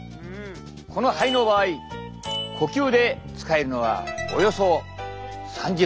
この肺の場合呼吸で使えるのはおよそ３０％。